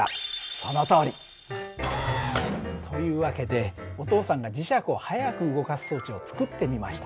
そのとおり。という訳でお父さんが磁石を速く動かす装置を作ってみました。